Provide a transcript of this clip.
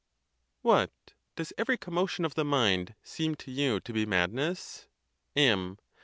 A. What? does every commotion of the mind seem to you to be madness ? M.